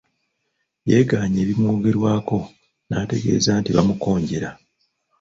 Yeegaanye ebimwogerwako n’ategeeza nti bamukonjera.